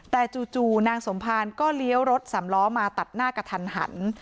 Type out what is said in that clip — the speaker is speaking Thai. แต่จู่นางสมภารก็เลี้ยวรถสำล้อมาตัดหน้ากระทันหัน